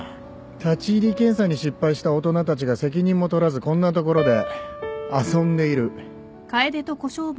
立入検査に失敗した大人たちが責任も取らずこんな所で遊んでいる。